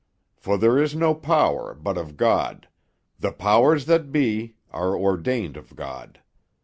'For there is no power, but of God: the powers that be are ordained of God.'